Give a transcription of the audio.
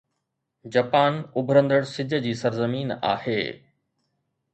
Japan اڀرندڙ سج جي سرزمين آهي